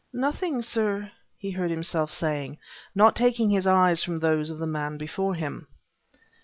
"Nothing, sir," he heard himself saying, not taking his eyes from those of the man before him.